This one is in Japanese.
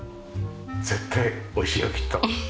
絶対おいしいよきっと。